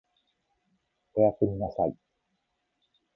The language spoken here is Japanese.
お休みなさい